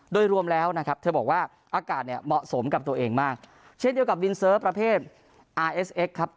โดยรวมแล้วนะครับเธอบอกว่าอากาศเนี่ยเหมาะสมกับตัวเองมากเช่นเดียวกับวินเซิร์ฟประเภทอาร์เอสเอ็กซ์ครับ